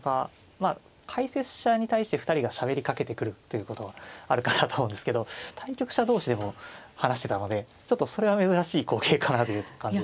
まあ解説者に対して２人がしゃべりかけてくるということはあるかなと思うんですけど対局者同士でも話してたのでちょっとそれは珍しい光景かなという感じでしたね。